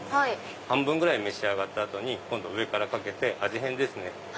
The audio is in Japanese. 半分ぐらい召し上がった後に上からかけて味変ですね。